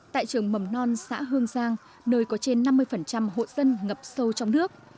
tại trường mầm non xã hương giang nơi có trên năm mươi hộ dân ngập sâu trong nước